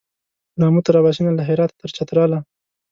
له آمو تر اباسینه له هراته تر چتراله